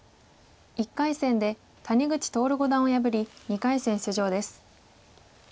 １回戦で谷口徹五段を破り２回戦出場です。